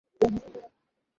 এটা মোটেও নিরাপদ কিছু নয়!